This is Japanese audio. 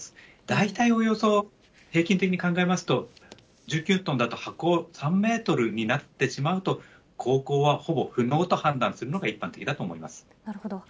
大体、およそ平均的に考えますと、１９トンだと、波高３メートルになってしまうと、航行はほぼ不能と判断するのが一なるほど。